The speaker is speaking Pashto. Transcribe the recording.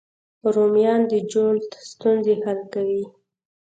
رومیان د جلد ستونزې حل کوي